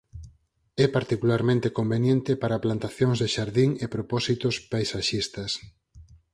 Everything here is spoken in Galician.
É particularmente conveniente para plantacións de xardín e propósitos paisaxistas.